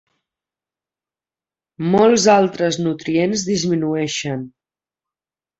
Molts altres nutrients disminueixen.